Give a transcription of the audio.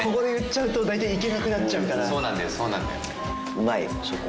うまいよそこ。